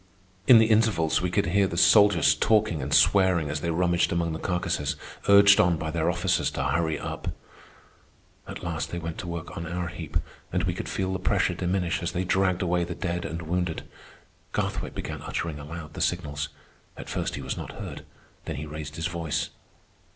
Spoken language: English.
In the intervals we could hear the soldiers talking and swearing as they rummaged among the carcasses, urged on by their officers to hurry up. At last they went to work on our heap, and we could feel the pressure diminish as they dragged away the dead and wounded. Garthwaite began uttering aloud the signals. At first he was not heard. Then he raised his voice.